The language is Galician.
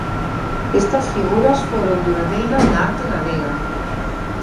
Estas figuras foron duradeiras na arte galega.